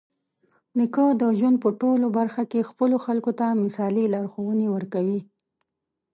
نیکه د ژوند په ټولو برخه کې خپلو خلکو ته مثالي لارښوونې ورکوي.